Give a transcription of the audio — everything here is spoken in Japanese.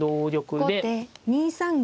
後手２三銀。